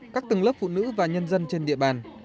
các tầng lớp phụ nữ và nhân dân trên địa bàn